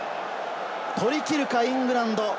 取り切るか、イングランド。